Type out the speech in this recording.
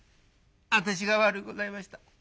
私が悪うございました。